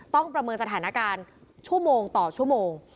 ประเมินสถานการณ์ชั่วโมงต่อชั่วโมง